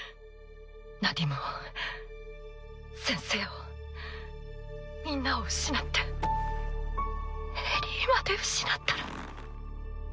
ナディムを先生をみんなを失ってエリィまで失ったら。